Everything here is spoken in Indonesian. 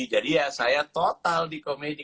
jadi ya saya total di komedi